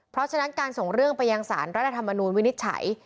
เพราะฉะนั้นการส่งเรื่องไปยังสารรัฐธรรมนูลวินิจฉัย